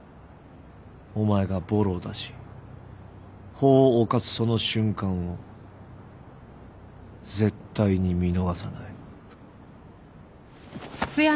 お前がボロを出し法を犯すその瞬間を絶対に見逃さない。